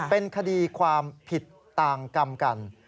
เป็นคดีความผิดต่างกรรมกัน